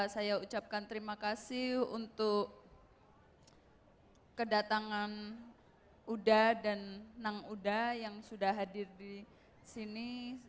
saya ucapkan terima kasih untuk kedatangan uda dan nang uda yang sudah hadir di sini